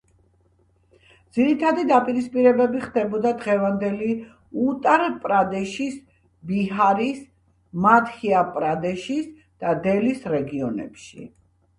ძირითადი დაპირისპირებები ხდებოდა დღევანდელი უტარ-პრადეშის, ბიჰარის, მადჰია-პრადეშის და დელის რეგიონებში.